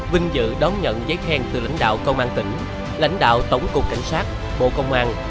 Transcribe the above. vinh dự đón nhận giấy khen từ lãnh đạo công an tỉnh lãnh đạo tổng cục cảnh sát bộ công an